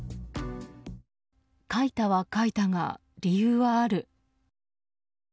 書いたは書いたが理由はある。